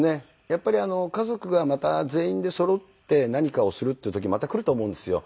やっぱり家族がまた全員でそろって何かをするっていう時また来ると思うんですよ。